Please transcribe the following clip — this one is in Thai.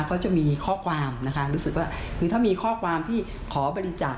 ก็จะมีข้อความนะคะรู้สึกว่าคือถ้ามีข้อความที่ขอบริจาค